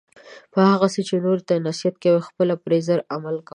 په هغه څه چې نورو ته یی نصیحت کوي خپله پری زر عمل کوه